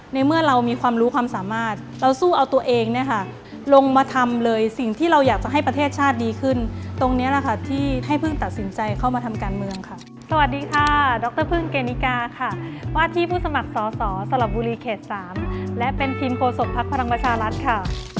ในเมื่อเรามีความรู้ความสามารถเราสู้เอาตัวเองเนี่ยค่ะลงมาทำเลยสิ่งที่เราอยากจะให้ประเทศชาติดีขึ้นตรงนี้แหละค่ะที่ให้เพิ่งตัดสินใจเข้ามาทำการเมืองค่ะสวัสดีค่ะดรพึ่งเกณฑิกาค่ะว่าที่ผู้สมัครสอสอสลับบุรีเขต๓และเป็นทีมโฆษกภักดิ์พลังประชารัฐค่ะ